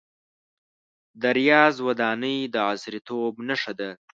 د ریاض ودانۍ د عصریتوب نښه ده.